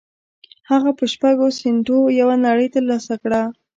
هغه په شپږو سينټو يوه نړۍ تر لاسه کړه.